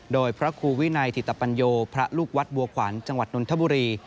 โดยพระครูวินัยถิตปัญโยพระลูกวัดบัวขวัญจังหวัดนนทบุรี